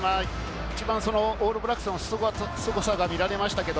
オールブラックスのすごさが見られました。